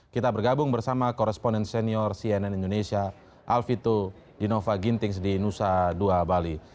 kita bergabung bersama koresponden senior cnn indonesia alvito dinova gintings di nusa dua bali